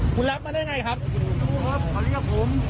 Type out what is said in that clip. คุณรับมาได้ไงครับ